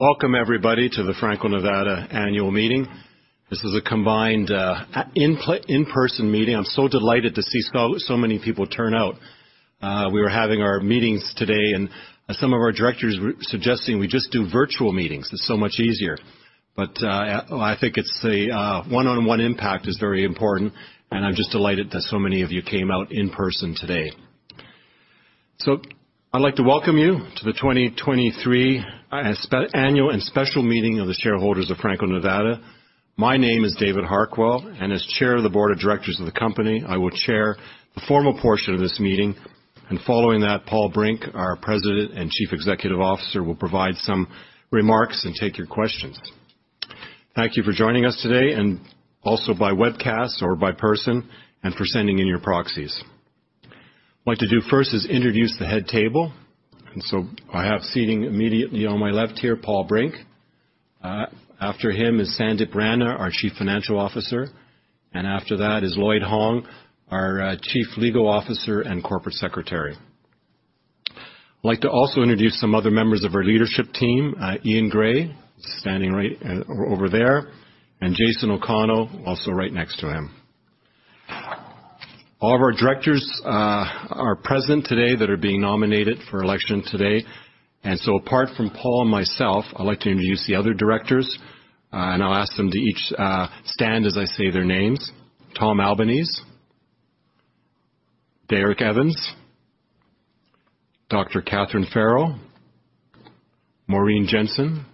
Welcome everybody to the Franco-Nevada Annual Meeting. This is a combined, in-person meeting. I'm so delighted to see so many people turn out. We were having our meetings today, and some of our Directors were suggesting we just do virtual meetings. It's so much easier. I think it's the one-on-one impact is very important, and I'm just delighted that so many of you came out in person today. I'd like to welcome you to the 2023 Annual and Special Meeting of the Shareholders of Franco-Nevada. My name is David Harquail, and as Chair of the Board of Directors of the company, I will chair the formal portion of this meeting. Following that, Paul Brink, our President and Chief Executive Officer, will provide some remarks and take your questions. Thank you for joining us today and also by webcast or by person and for sending in your proxies. What to do first is introduce the head table. I have seating immediately on my left here, Paul Brink. After him is Sandip Rana, our Chief Financial Officer. After that is Lloyd Hong, our Chief Legal Officer and Corporate Secretary. I'd like to also introduce some other members of our leadership team. Ian Gray standing right over there. Jason O'Connell also right next to him. All of our Directors are present today that are being nominated for election today. Apart from Paul and myself, I'd like to introduce the other Directors. I'll ask them to each stand as I say their names. Tom Albanese. Derek Evans. Dr. Catherine Farrell. Maureen Jensen.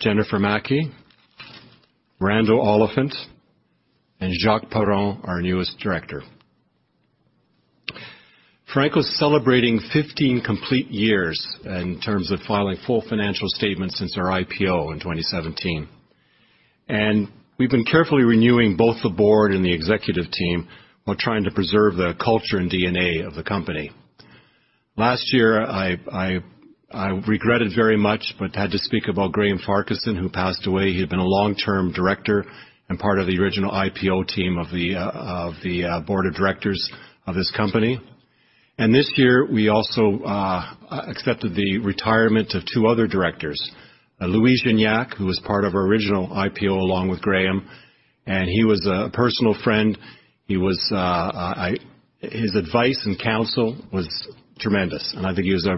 Jennifer Maki, Randall Oliphant, and Jacques Perron, our newest director. Franco's celebrating 15 complete years in terms of filing full financial statements since our IPO in 2017. We've been carefully renewing both the board and the executive team while trying to preserve the culture and DNA of the company. Last year, I regretted very much, but had to speak about Graham Farquharson who passed away. He had been a long-term director and part of the original IPO team of the board of directors of this company. This year, we also accepted the retirement of two other Directors, Louis Gignac, who was part of our original IPO along with Graham, and he was a personal friend. He was. His advice and counsel was tremendous, and I think he was.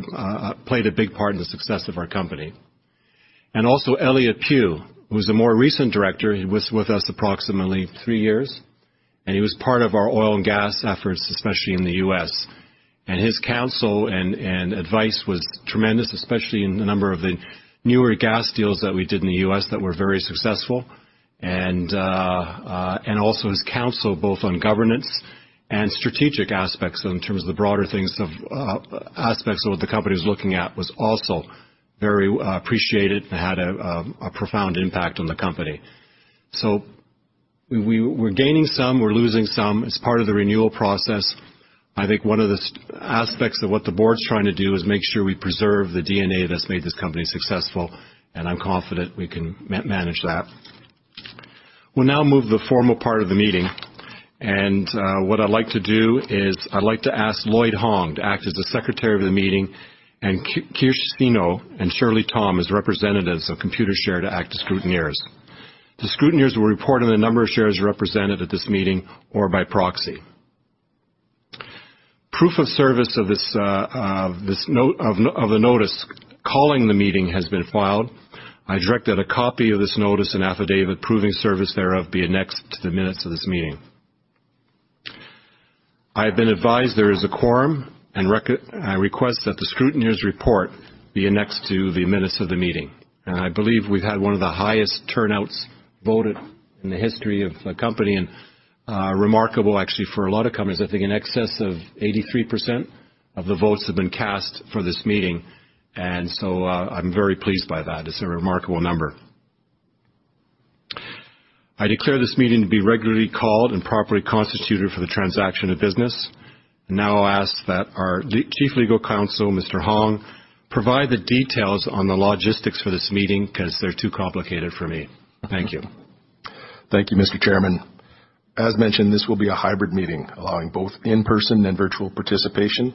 played a big part in the success of our company. Also Elliott Pew, who was a more recent Director. He was with us approximately three years, and he was part of our oil and gas efforts, especially in the U.S. His counsel and advice was tremendous, especially in the number of the newer gas deals that we did in the U.S. that were very successful. Also his counsel both on governance and strategic aspects in terms of the broader things of aspects of what the company was looking at was also very appreciated and had a profound impact on the company. We're gaining some, we're losing some as part of the renewal process. I think one of the aspects of what the board's trying to do is make sure we preserve the DNA that's made this company successful, and I'm confident we can manage that. We'll now move the formal part of the meeting. What I'd like to do is I'd like to ask Lloyd Hong to act as the secretary of the meeting and Kirshino and Shirley Tom as representatives of Computershare to act as scrutineers. The scrutineers will report on the number of shares represented at this meeting or by proxy. Proof of service of this notice calling the meeting has been filed. I direct that a copy of this notice and affidavit proving service thereof be annexed to the minutes of this meeting. I have been advised there is a quorum. I request that the scrutineer's report be annexed to the minutes of the meeting. I believe we've had one of the highest turnouts voted in the history of the company and, remarkable actually for a lot of companies. I think in excess of 83% of the votes have been cast for this meeting. I'm very pleased by that. It's a remarkable number. I declare this meeting to be regularly called and properly constituted for the transaction of business. I'll ask that our Chief Legal Counsel, Mr. Hong, provide the details on the logistics for this meeting because they're too complicated for me. Thank you. Thank you, Mr. Chairman. As mentioned, this will be a hybrid meeting allowing both in-person and virtual participation.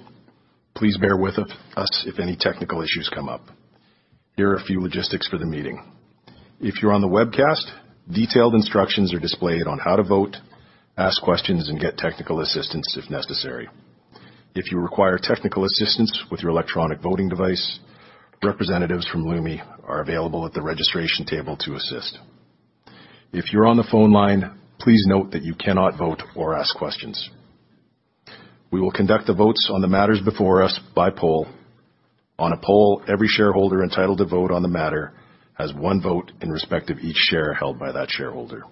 Please bear with us if any technical issues come up. Here are a few logistics for the meeting. If you're on the webcast, detailed instructions are displayed on how to vote, ask questions, and get technical assistance if necessary. If you require technical assistance with your electronic voting device, representatives from Lumi are available at the registration table to assist. If you're on the phone line, please note that you cannot vote or ask questions. We will conduct the votes on the matters before us by poll. On a poll, every shareholder entitled to vote on the matter has one vote in respect of each share held by that shareholder.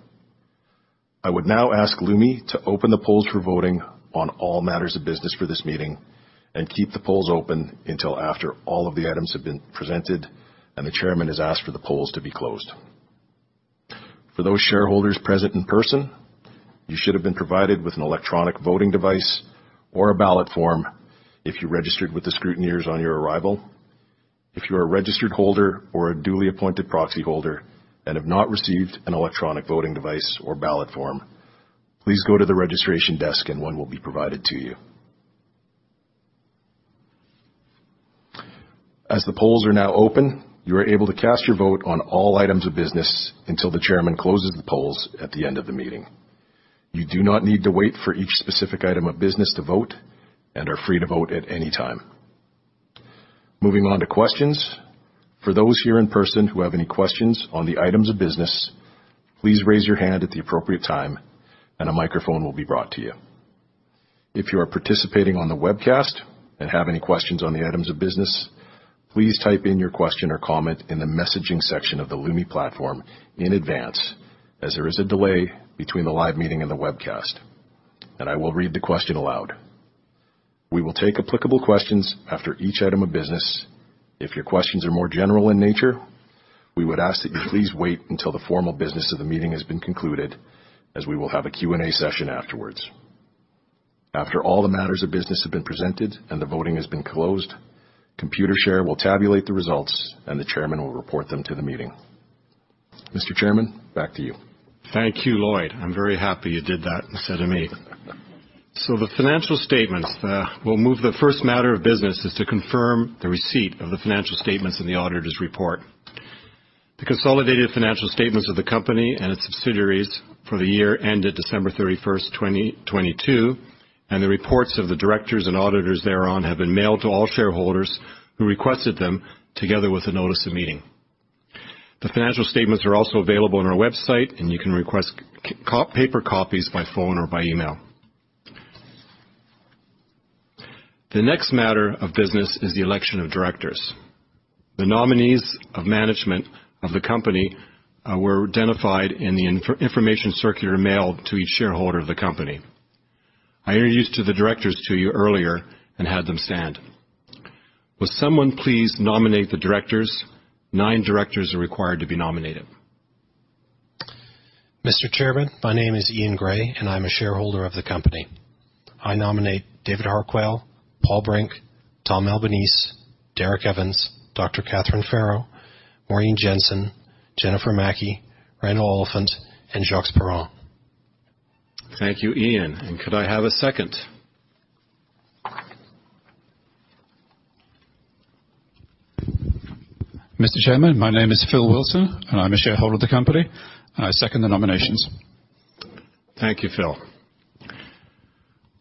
I would now ask Lumi to open the polls for voting on all matters of business for this meeting and keep the polls open until after all of the items have been presented and the chairman has asked for the polls to be closed. For those shareholders present in person, you should have been provided with an electronic voting device or a ballot form if you registered with the scrutineers on your arrival. If you are a registered holder or a duly appointed proxy holder and have not received an electronic voting device or ballot form, please go to the registration desk and one will be provided to you. The polls are now open, you are able to cast your vote on all items of business until the chairman closes the polls at the end of the meeting. You do not need to wait for each specific item of business to vote and are free to vote at any time. Moving on to questions. For those here in person who have any questions on the items of business, please raise your hand at the appropriate time and a microphone will be brought to you. If you are participating on the webcast and have any questions on the items of business, please type in your question or comment in the messaging section of the Lumi platform in advance, as there is a delay between the live meeting and the webcast. I will read the question aloud. We will take applicable questions after each item of business. If your questions are more general in nature, we would ask that you please wait until the formal business of the meeting has been concluded, as we will have a Q&A session afterwards. After all the matters of business have been presented and the voting has been closed, Computershare will tabulate the results, and the Chairman will report them to the meeting. Mr. Chairman, back to you. Thank you, Lloyd. I'm very happy you did that instead of me. The financial statements. We'll move the first matter of business is to confirm the receipt of the financial statements in the auditor's report. The consolidated financial statements of the company and its subsidiaries for the year ended December 31, 2022, and the reports of the directors and auditors thereon have been mailed to all shareholders who requested them together with the notice of meeting. The financial statements are also available on our website, and you can request paper copies by phone or by email. The next matter of business is the election of directors. The nominees of management of the company were identified in the information circular mail to each shareholder of the company. I introduced to the directors to you earlier and had them stand. Will someone please nominate the Directors? nine directors are required to be nominated. Mr. Chairman, my name is Ian Gray, and I'm a shareholder of the company. I nominate David Harquail, Paul Brink, Tom Albanese, Derek Evans, Dr. Catherine Farrell, Maureen Jensen, Jennifer Maki, Randall Oliphant, and Jacques Perron. Thank you, Ian. could I have a second? Mr. Chairman, my name is Phil Wilson, and I'm a shareholder of the company, and I second the nominations. Thank you, Phil.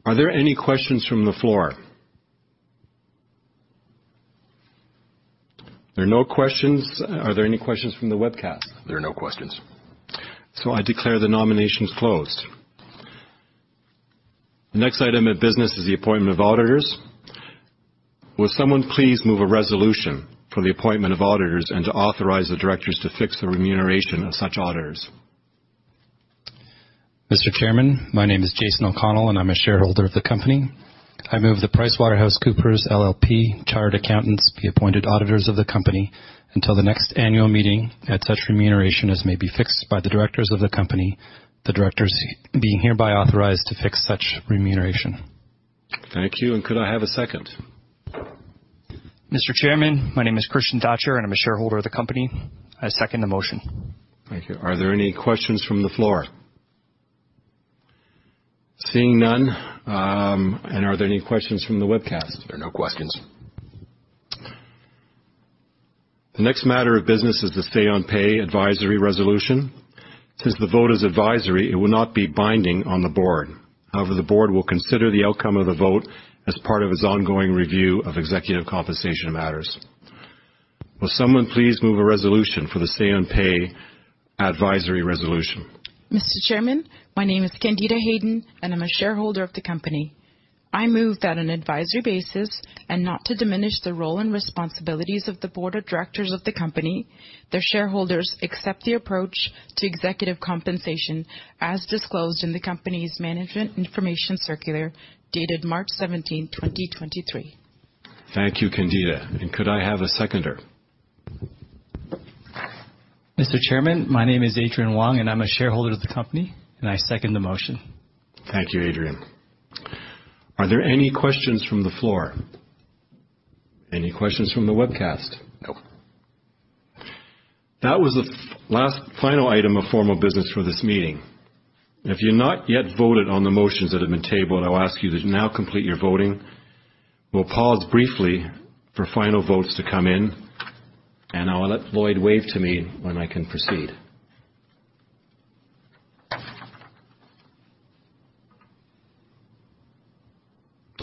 Are there any questions from the floor? There are no questions. Are there any questions from the webcast? There are no questions. I declare the nominations closed. The next item of business is the appointment of auditors. Will someone please move a resolution for the appointment of auditors and to authorize the directors to fix the remuneration of such auditors? Mr. Chairman, my name is Jason O'Connell. I'm a shareholder of the company. I move the PricewaterhouseCoopers LLP Chartered Accountants be appointed auditors of the company until the next annual meeting at such remuneration as may be fixed by the directors of the company, the directors being hereby authorized to fix such remuneration. Thank you. Could I have a second? Mr. Chairman, my name is Christian Doerfert, and I'm a shareholder of the company. I second the motion. Thank you. Are there any questions from the floor? Seeing none, are there any questions from the webcast? There are no questions. The next matter of business is the say-on-pay advisory resolution. Since the vote is advisory, it will not be binding on the board. However, the board will consider the outcome of the vote as part of its ongoing review of executive compensation matters. Will someone please move a resolution for the say-on-pay advisory resolution? Mr. Chairman, my name is Candide Hayden. I'm a shareholder of the company. I move that on an advisory basis and not to diminish the role and responsibilities of the Board of Directors of the company, their shareholders accept the approach to executive compensation as disclosed in the company's management information circular dated March 17, 2023. Thank you, Candide. Could I have a seconder? Mr. Chairman, my name is Adrien Wong, and I'm a shareholder of the company, and I second the motion. Thank you, Adrien. Are there any questions from the floor? Any questions from the webcast? No. That was the last final item of formal business for this meeting. If you've not yet voted on the motions that have been tabled, I'll ask you to now complete your voting. We'll pause briefly for final votes to come in, and I'll let Lloyd wave to me when I can proceed.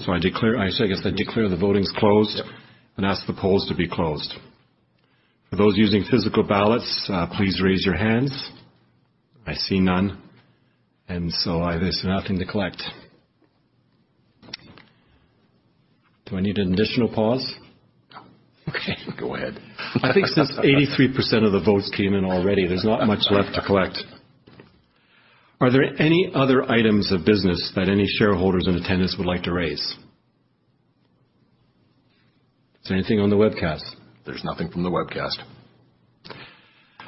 I declare, I guess I declare the voting is closed. Yep. Ask the polls to be closed. For those using physical ballots, please raise your hands. I see none, there's nothing to collect. Do I need an additional pause? No. Okay. Go ahead. I think since 83% of the votes came in already, there's not much left to collect. Are there any other items of business that any shareholders in attendance would like to raise? Is there anything on the webcast? There's nothing from the webcast.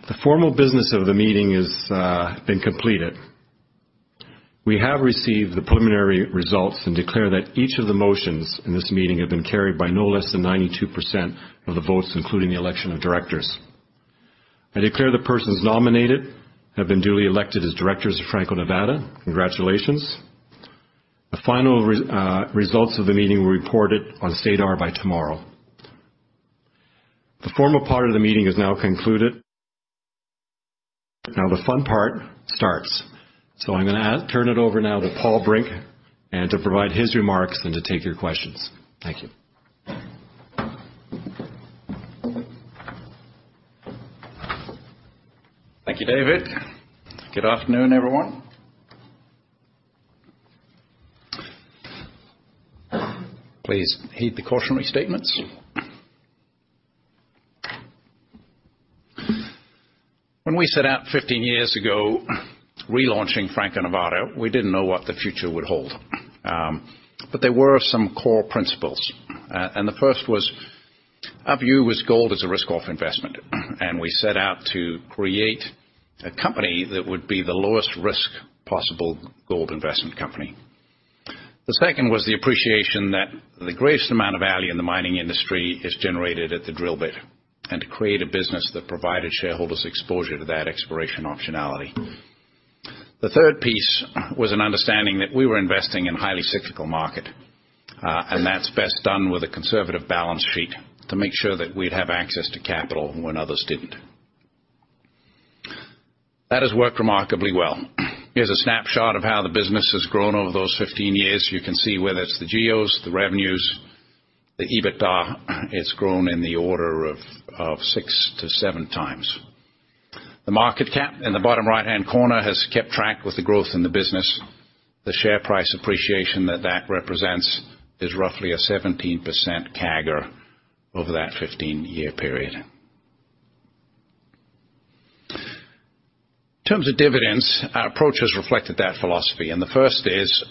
The formal business of the meeting is been completed. We have received the preliminary results and declare that each of the motions in this meeting have been carried by no less than 92% of the votes, including the election of Directors. I declare the persons nominated have been duly elected as Directors of Franco-Nevada. Congratulations. The final results of the meeting were reported on SEDAR by tomorrow. The formal part of the meeting is now concluded. Now, the fun part starts. I'm gonna turn it over now to Paul Brink and to provide his remarks and to take your questions. Thank you. Thank you, David. Good afternoon, everyone. Please heed the cautionary statements. When we set out 15 years ago relaunching Franco-Nevada, we didn't know what the future would hold. There were some core principles, and the first was our view was gold is a risk-off investment, and we set out to create a company that would be the lowest risk possible gold investment company. The second was the appreciation that the greatest amount of value in the mining industry is generated at the drill bit, and to create a business that provided shareholders exposure to that exploration optionality. The third piece was an understanding that we were investing in highly cyclical market, and that's best done with a conservative balance sheet to make sure that we'd have access to capital when others didn't. That has worked remarkably well. Here's a snapshot of how the business has grown over those 15 years. You can see whether it's the GEOs, the revenues, the EBITDA, it's grown in the order of 6-7x. The market cap in the bottom right-hand corner has kept track with the growth in the business. The share price appreciation that represents is roughly a 17% CAGR over that 15-year period. In terms of dividends, our approach has reflected that philosophy. The first is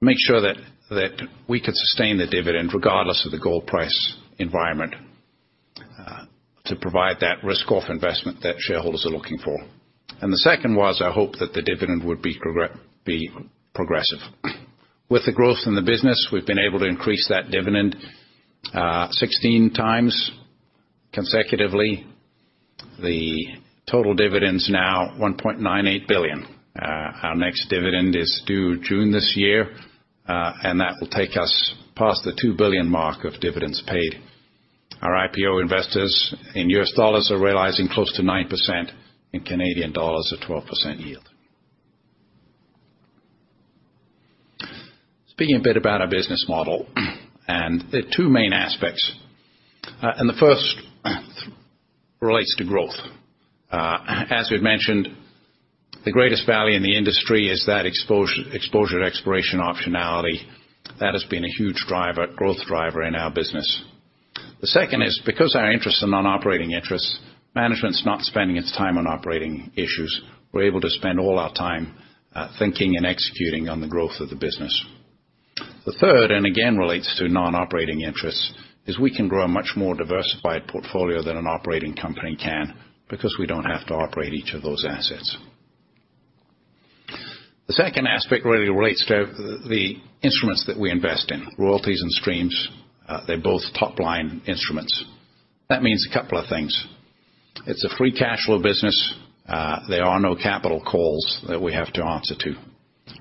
make sure that we could sustain the dividend regardless of the gold price environment, to provide that risk-off investment that shareholders are looking for. The second was our hope that the dividend would be progressive. With the growth in the business, we've been able to increase that dividend 16x consecutively. The total dividend's now $1.98 billion. Our next dividend is due June this year, and that will take us past the $2 billion mark of dividends paid. Our IPO investors in U.S. Dollars are realizing close to 9% in CAD, a 12% yield. Speaking a bit about our business model, and there are two main aspects, and the first relates to growth. As we've mentioned, the greatest value in the industry is that exposure to exploration optionality. That has been a huge growth driver in our business. The second is because our interests are non-operating interests, management's not spending its time on operating issues. We're able to spend all our time, thinking and executing on the growth of the business. The third, again, relates to non-operating interests, is we can grow a much more diversified portfolio than an operating company can because we don't have to operate each of those assets. The second aspect really relates to the instruments that we invest in, royalties and streams. They're both top-line instruments. That means a couple of things. It's a free cash flow business. There are no capital calls that we have to answer to.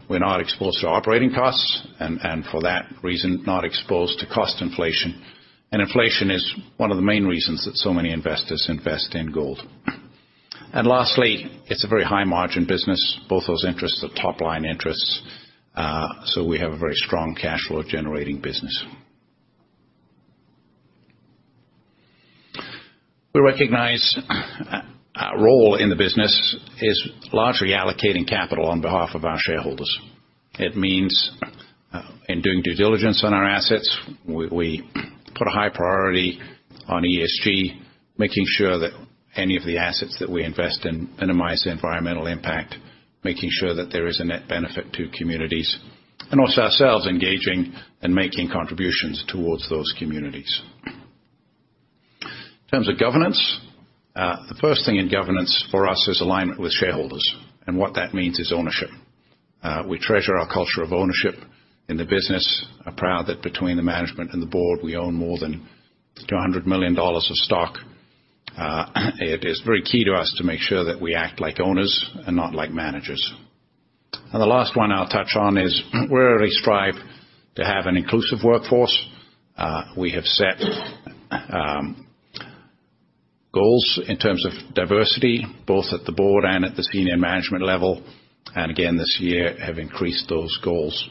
We're not exposed to operating costs and for that reason, not exposed to cost inflation. Inflation is one of the main reasons that so many investors invest in gold. Lastly, it's a very high-margin business, both those interests are top-line interests, so we have a very strong cash flow generating business. We recognize our role in the business is largely allocating capital on behalf of our shareholders. It means, in doing due diligence on our assets, we put a high priority on ESG, making sure that any of the assets that we invest in minimize the environmental impact, making sure that there is a net benefit to communities, and also ourselves engaging and making contributions towards those communities. In terms of governance, the first thing in governance for us is alignment with shareholders, and what that means is ownership. We treasure our culture of ownership in the business. I'm proud that between the management and the board, we own more than $200 million of stock. It is very key to us to make sure that we act like owners and not like managers. The last one I'll touch on is we really strive to have an inclusive workforce. We have set goals in terms of diversity, both at the board and at the senior management level. This year have increased those goals,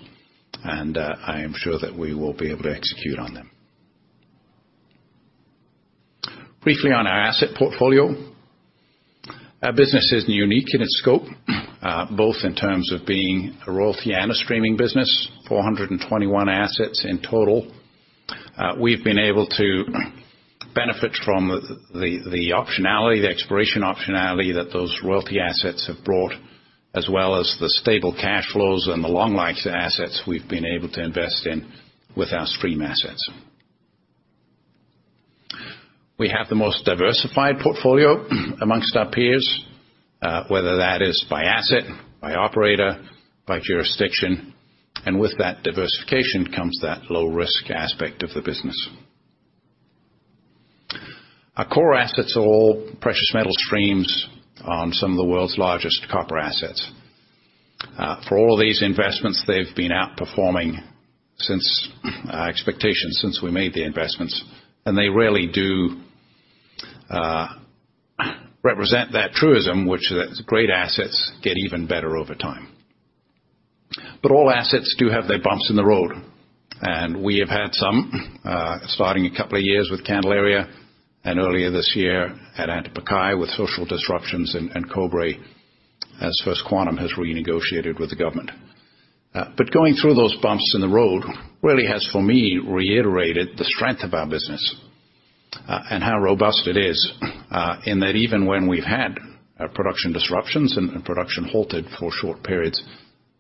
I am sure that we will be able to execute on them. Briefly on our asset portfolio. Our business is unique in its scope, both in terms of being a royalty and a streaming business, 421 assets in total. We've been able to benefit from the optionality, the exploration optionality that those royalty assets have brought, as well as the stable cash flows and the long life to assets we've been able to invest in with our stream assets. We have the most diversified portfolio amongst our peers, whether that is by asset, by operator, by jurisdiction. With that diversification comes that low risk aspect of the business. Our core assets are all precious metal streams on some of the world's largest copper assets. For all these investments, they've been outperforming since expectations since we made the investments, and they really do represent that truism, which is great assets get even better over time. All assets do have their bumps in the road, and we have had some starting a couple of years with Candelaria and earlier this year at Antamina, with social disruptions in Cobre, as First Quantum has renegotiated with the government. Going through those bumps in the road really has, for me, reiterated the strength of our business and how robust it is in that even when we've had production disruptions and production halted for short periods,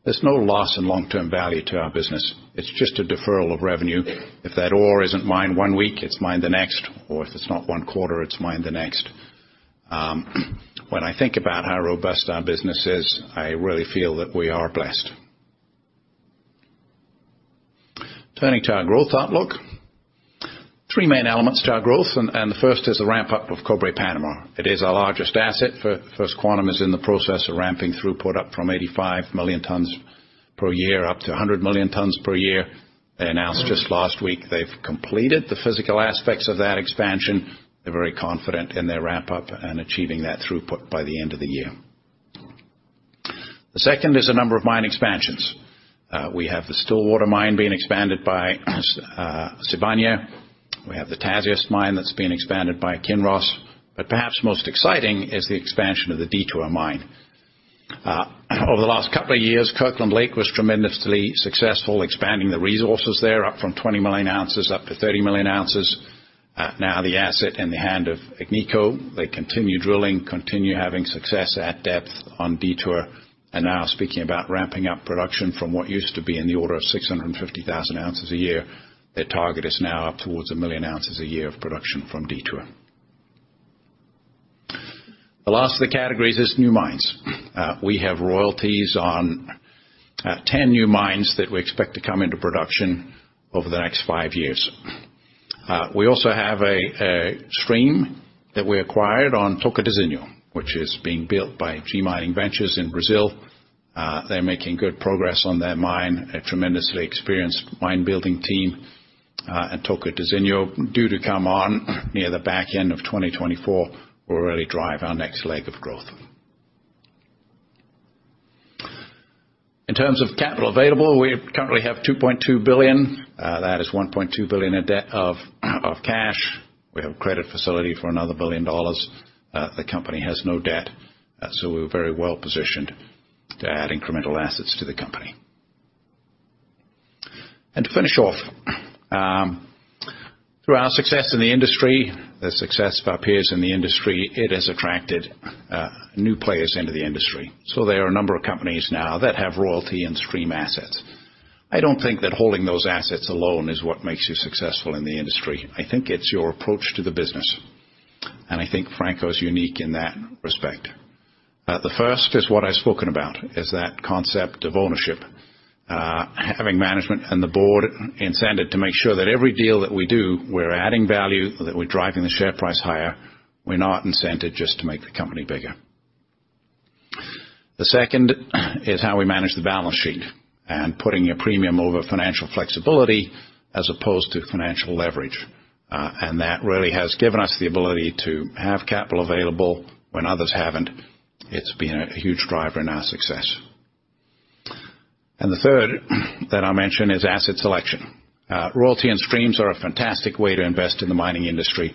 there's no loss in long-term value to our business. It's just a deferral of revenue. If that ore isn't mined one week, it's mined the next, or if it's not one quarter, it's mined the next. When I think about how robust our business is, I really feel that we are blessed. Turning to our growth outlook, three main elements to our growth, and the first is the ramp up of Cobre Panama. It is our largest asset. First Quantum is in the process of ramping throughput up from 85 million tons per year up to 100 million tons per year. They announced just last week they've completed the physical aspects of that expansion. They're very confident in their ramp up and achieving that throughput by the end of the year. The second is a number of mine expansions. We have the Stillwater Mine being expanded by Sibanye. We have the Tasiast Mine that's being expanded by Kinross. Perhaps most exciting is the expansion of the Detour Mine. Over the last couple of years, Kirkland Lake was tremendously successful expanding the resources there up from 20 million ounces up to 30 million ounces. Now the asset in the hand of Agnico, they continue drilling, continue having success at depth on Detour, and now speaking about ramping up production from what used to be in the order of 650,000 ounces a year. Their target is now up towards 1 million ounces a year of production from Detour. The last of the categories is new mines. We have royalties on 10 new mines that we expect to come into production over the next five years. We also have a stream that we acquired on Tocantinzinho, which is being built by G Mining Ventures in Brazil. They're making good progress on their mine, a tremendously experienced mine-building team, Tocantinzinho due to come on near the back end of 2024 will really drive our next leg of growth. In terms of capital available, we currently have $2.2 billion. That is $1.2 billion of cash. We have a credit facility for another $1 billion. The company has no debt, we're very well-positioned to add incremental assets to the company. To finish off, through our success in the industry, the success of our peers in the industry, it has attracted new players into the industry. There are a number of companies now that have royalty and stream assets. I don't think that holding those assets alone is what makes you successful in the industry. I think it's your approach to the business. I think Franco is unique in that respect. The first is what I've spoken about, is that concept of ownership. Having management and the board incented to make sure that every deal that we do, we're adding value, that we're driving the share price higher. We're not incented just to make the company bigger. The second is how we manage the balance sheet and putting a premium over financial flexibility as opposed to financial leverage. That really has given us the ability to have capital available when others haven't. It's been a huge driver in our success. The third that I'll mention is asset selection. Royalty and streams are a fantastic way to invest in the mining industry.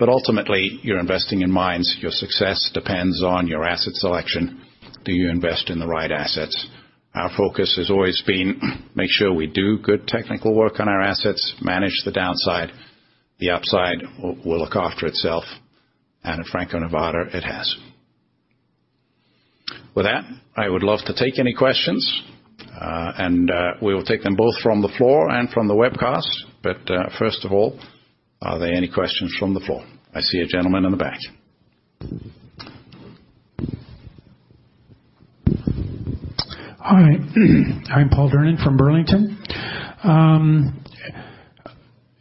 Ultimately, you're investing in mines. Your success depends on your asset selection. Do you invest in the right assets? Our focus has always been, make sure we do good technical work on our assets, manage the downside. The upside will look after itself, and at Franco-Nevada, it has. With that, I would love to take any questions, and we will take them both from the floor and from the webcast. First of all, are there any questions from the floor? I see a gentleman in the back. Hi. I'm Paul Durnin from Burlington.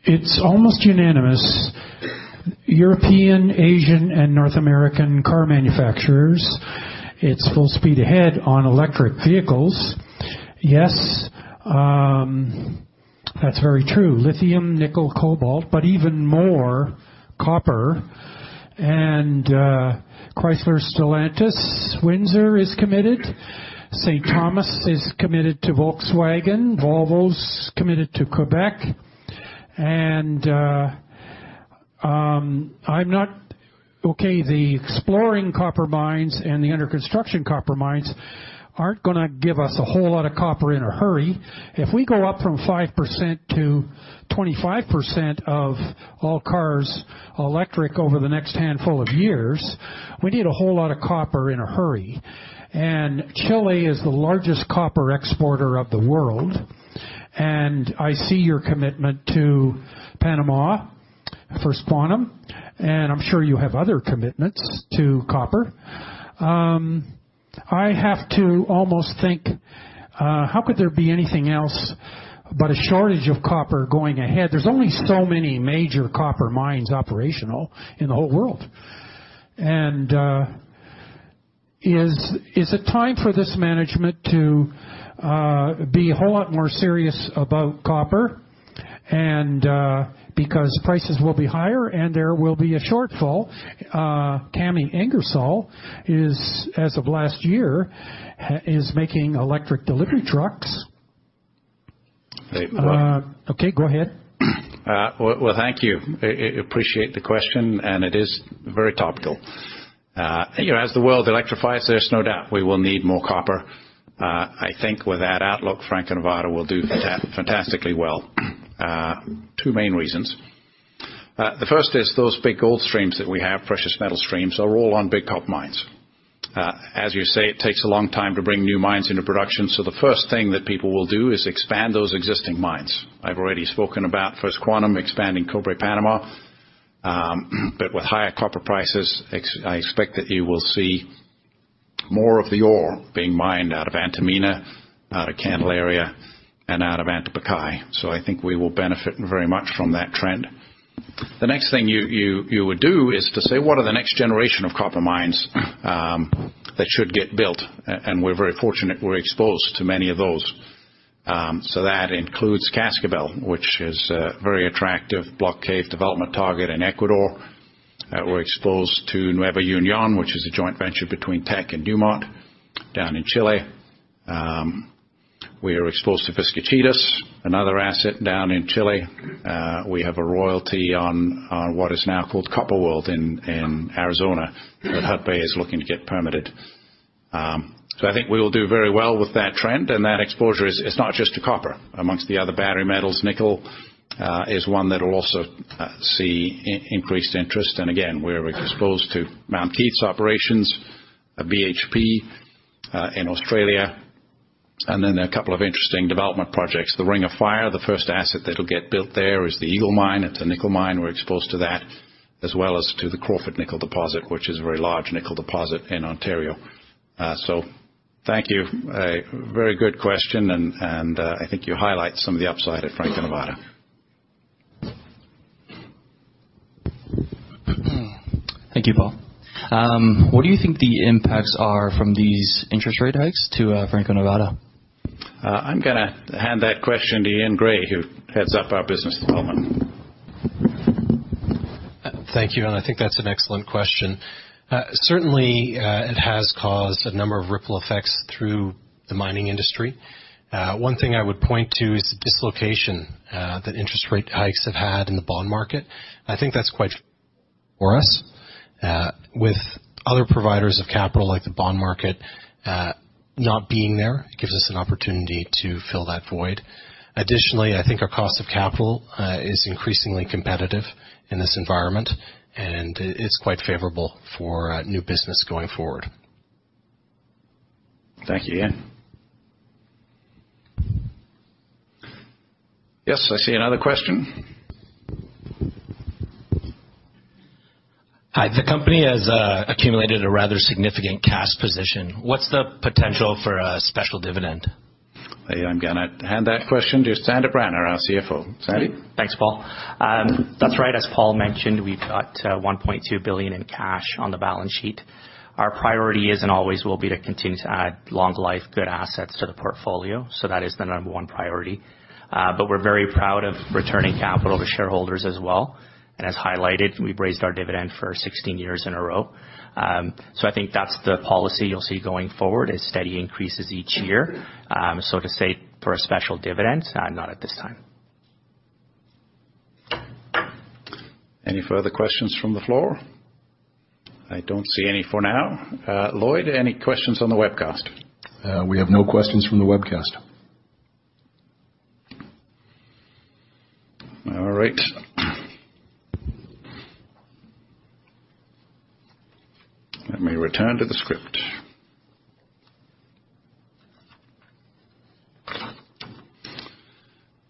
It's almost unanimous, European, Asian and North American car manufacturers, it's full speed ahead on electric vehicles. Yes, that's very true. Lithium, nickel, cobalt, but even more copper. Chrysler Stellantis, Windsor is committed. St. Thomas is committed to Volkswagen. Volvo's committed to Quebec. The exploring copper mines and the under construction copper mines aren't gonna give us a whole lot of copper in a hurry. If we go up from 5%-25% of all cars electric over the next handful of years, we need a whole lot of copper in a hurry. Chile is the largest copper exporter of the world. I see your commitment to Panama, First Quantum, and I'm sure you have other commitments to copper. I have to almost think, how could there be anything else but a shortage of copper going ahead? There's only so many major copper mines operational in the whole world. is it time for this management to be a whole lot more serious about copper and because prices will be higher, and there will be a shortfall. Tammy Ingersoll is, as of last year, is making electric delivery trucks. They- Okay, go ahead. Well, thank you. Appreciate the question, and it is very topical. You know, as the world electrifies, there's no doubt we will need more copper. I think with that outlook, Franco-Nevada will do fantastically well. Two main reasons. The first is those big gold streams that we have, precious metal streams, are all on big copper mines. As you say, it takes a long time to bring new mines into production, so the first thing that people will do is expand those existing mines. I've already spoken about First Quantum expanding Cobre Panama, but with higher copper prices, I expect that you will see more of the ore being mined out of Antamina, out of Candelaria, and out of Antamina. I think we will benefit very much from that trend. The next thing you would do is to say, what are the next generation of copper mines that should get built, and we're very fortunate we're exposed to many of those. That includes Cascabel, which is a very attractive block cave development target in Ecuador. We're exposed to Nueva Union, which is a joint venture between Teck and Newmont down in Chile. We are exposed to Vizcachitas, another asset down in Chile. We have a royalty on what is now called Copper World in Arizona, that Hudbay is looking to get permitted. I think we will do very well with that trend, and that exposure is not just to copper. Amongst the other battery metals, nickel, is one that will also see increased interest. Again, we're exposed to Mount Keith operations, at BHP, in Australia. A couple of interesting development projects. The Ring of Fire, the first asset that will get built there is the Eagle Mine. It's a nickel mine. We're exposed to that, as well as to the Crawford Nickel deposit, which is a very large nickel deposit in Ontario. Thank you. A very good question and I think you highlight some of the upside at Franco-Nevada. Thank you, Paul. What do you think the impacts are from these interest rate hikes to Franco-Nevada? I'm gonna hand that question to Ian Gray, who heads up our business development. Thank you. I think that's an excellent question. Certainly, it has caused a number of ripple effects through the mining industry. One thing I would point to is the dislocation that interest rate hikes have had in the bond market. I think that's quite for us. With other providers of capital like the bond market, not being there, it gives us an opportunity to fill that void. Additionally, I think our cost of capital is increasingly competitive in this environment, and it's quite favorable for new business going forward. Thank you, Ian. Yes, I see another question. Hi. The company has accumulated a rather significant cash position. What's the potential for a special dividend? I am gonna hand that question to Sandip Rana, our CFO. Sandip? Thanks, Paul. That's right. As Paul mentioned, we've got $1.2 billion in cash on the balance sheet. Our priority is and always will be to continue to add long life, good assets to the portfolio. That is the number one priority. We're very proud of returning capital to shareholders as well. As highlighted, we've raised our dividend for 16 years in a row. I think that's the policy you'll see going forward, is steady increases each year. To say for a special dividend, not at this time. Any further questions from the floor? I don't see any for now. Lloyd, any questions on the webcast? We have no questions from the webcast. All right. Let me return to the script.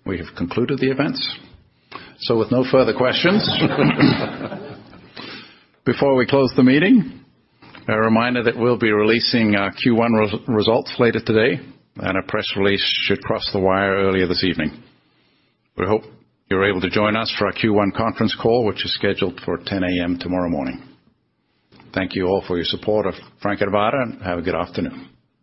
We have concluded the event. With no further questions, before we close the meeting, a reminder that we'll be releasing our Q1 results later today, and a press release should cross the wire earlier this evening. We hope you're able to join us for our Q1 conference call, which is scheduled for 10:00 A.M. tomorrow morning. Thank you all for your support of Franco-Nevada, and have a good afternoon.